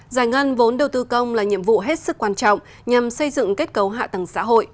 giải ngân vốn đầu tư công là nhiệm vụ hết sức quan trọng nhằm xây dựng kết cấu hạ tầng xã hội